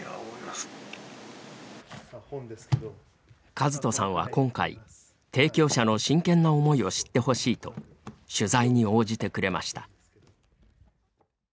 和人さんは今回提供者の真剣な思いを知ってほしいと取材に応じてくれました。